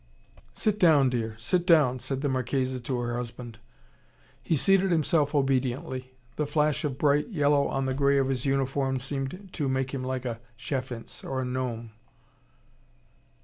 "Sit down, dear. Sit down," said the Marchesa to her husband. He seated himself obediently. The flash of bright yellow on the grey of his uniform seemed to make him like a chaffinch or a gnome.